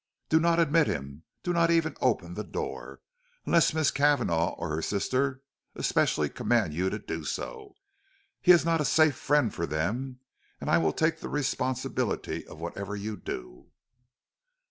Do not admit him; do not even open the door, unless Miss Cavanagh or her sister especially command you to do so. He is not a safe friend for them, and I will take the responsibility of whatever you do."